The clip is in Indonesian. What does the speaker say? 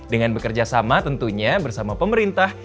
dengan bekerja sama tentunya bersama pemerintah